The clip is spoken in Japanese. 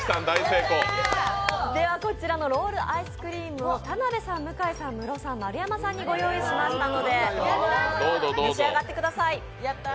では、こらちのロールアイスを田辺さん、室さん、丸山さんにご用意しましたので召し上がってください。